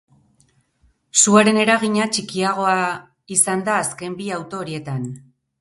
Suaren eragina txikiagoa izan da azken bi auto horietan.